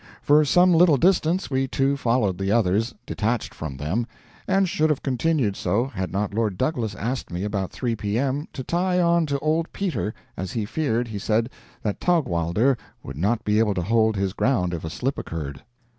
For some little distance we two followed the others, detached from them, and should have continued so had not Lord Douglas asked me, about 3 P.M., to tie on to old Peter, as he feared, he said, that Taugwalder would not be able to hold his ground if a slip occurred.